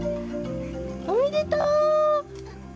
おめでとう！